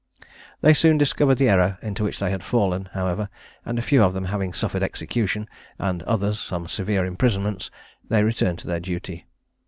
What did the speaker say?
They soon discovered the error into which they had fallen, however; and a few of them having suffered execution, and others some severe imprisonments, they returned to their duty.